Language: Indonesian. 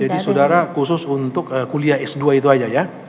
jadi saudara khusus untuk kuliah s dua itu saja ya